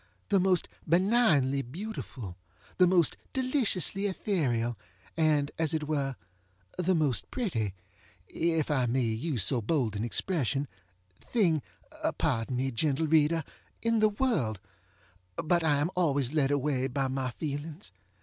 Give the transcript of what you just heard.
the most benignly beautiful, the most deliciously ethereal, and, as it were, the most pretty (if I may use so bold an expression) thing (pardon me, gentle reader!) in the worldŌĆöbut I am always led away by my feelings.